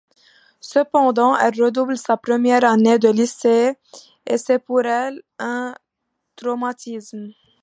Cependant elle redouble sa première année de Lycée et c'est pour elle un traumatisme.